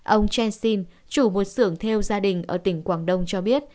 ông chen sinh chủ một xưởng theo gia đình ở tỉnh quảng đông cho biết